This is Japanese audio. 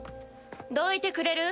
・どいてくれる？